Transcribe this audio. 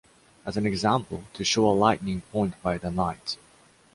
As an example, to show a lightning point by the night.